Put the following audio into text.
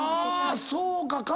そうか。